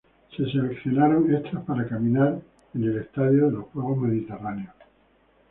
Se seleccionaron extras para caminar en el Estadio de los Juegos Mediterráneos.